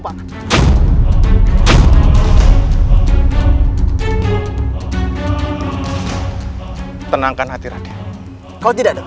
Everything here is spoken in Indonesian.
masuklah ke dalam